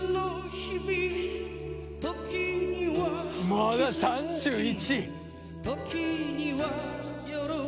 「まだ３１！？」